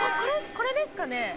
これですかね？